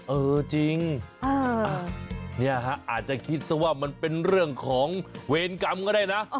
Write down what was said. เออจริงเนี่ยฮะอาจจะคิดซะว่ามันเป็นเรื่องของเวรกรรมก็ได้นะ